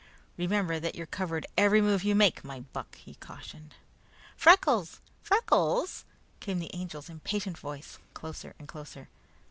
"Remember that you're covered every move you make, my buck," he cautioned. "Freckles! Freckles!" came the Angel's impatient voice, closer and closer.